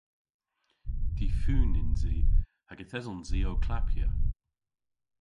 Difun yns i hag yth esyns i ow klappya.